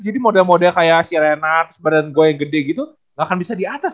jadi model model kayak si renard badan gue yang gede gitu gak akan bisa di atas